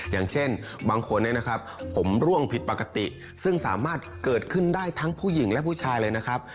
อย่างเช่นบางคนเนี่ยนะครับผมร่วงผิดปกติซึ่งสามารถเกิดขึ้นได้ทั้งผู้หญิงและผู้ชายเลยนะครับ